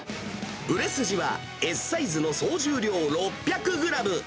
売れ筋は、Ｓサイズの総重量６００グラム。